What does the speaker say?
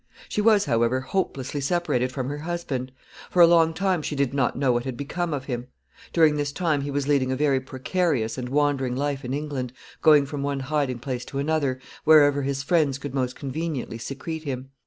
She was, however, hopelessly separated from her husband. For a long time she did not know what had become of him. During this time he was leading a very precarious and wandering life in England, going from one hiding place to another, wherever his friends could most conveniently secrete him.